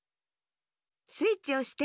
スイッチおして。